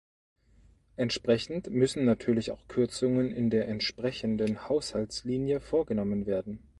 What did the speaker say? Entsprechend müssen natürlich auch Kürzungen in der entsprechenden Haushaltslinie vorgenommen werden.